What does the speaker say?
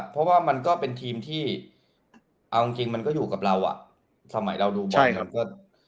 เพราะว่ามันก็เป็นทีมที่เอาจริงมันก็อยู่กับเราอ่ะสมัยเราดูบอล